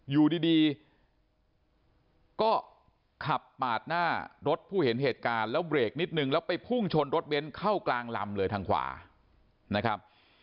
อยู่ดีก็ขับปาดหน้ารถผู้เห็นเหตุการณ์แล้วเบรกนิดนึงแล้วไปพุ่งชนรถเบ้นเข้ากลางลำเลยทางขวานะครับ